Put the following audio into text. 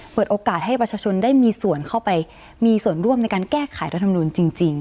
เปิดโอกาสให้ประชาชนได้มีส่วนเข้าไปมีส่วนร่วมในการแก้ไขรัฐมนูลจริง